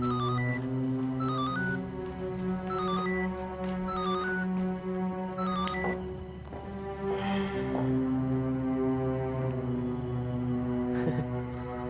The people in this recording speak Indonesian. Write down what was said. jangan jangan terjadi sesuatu sama andre